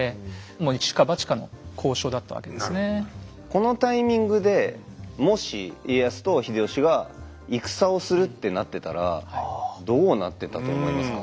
このタイミングでもし家康と秀吉が戦をするってなってたらどうなってたと思いますか？